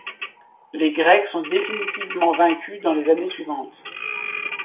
Les Grecs sont définitivement vaincus dans les années suivantes.